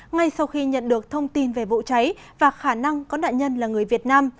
ngay sau khi nhận được thông tin về vụ cháy và khả năng có nạn nhân là người việt nam